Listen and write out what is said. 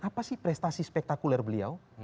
apa sih prestasi spektakuler beliau